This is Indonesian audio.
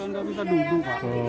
saya kan gak bisa duduk pak